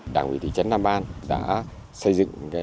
đảng ủy thị trấn nam ban đã xây dựng